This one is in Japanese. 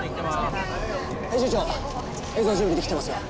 編集長映像準備できてますよ。